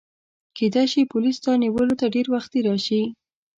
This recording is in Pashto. کیدای شي پولیس ستا نیولو ته ډېر وختي راشي.